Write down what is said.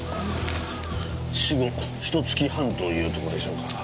死後ひと月半というとこでしょうか。